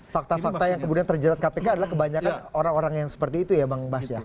fakta fakta yang kemudian terjerat kpk adalah kebanyakan orang orang yang seperti itu ya bang bas ya